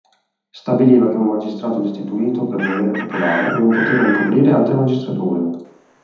Stabiliva che un magistrato destituito per volere popolare non poteva ricoprire altre magistrature.